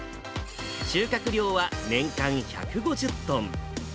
収穫量は年間１５０トン。